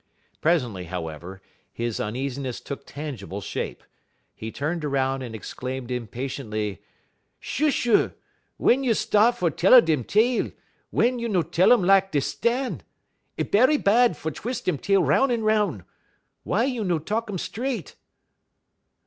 Presently, however, his uneasiness took tangible shape. He turned around and exclaimed impatiently: "Shuh shuh! w'en you sta't fer tell a dem tale, wey you no tell um lak dey stan'? 'E bery bad fer twis' dem tale 'roun' un 'roun'. Wey you no talk um stret?"